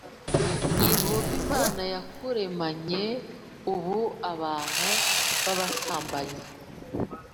Yehova Imana yakuremanye ubuAbantu b abasambanyi